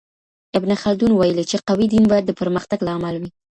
ابن خلدون ويلي، چي قوي دین باید د پرمختګ لامل وي.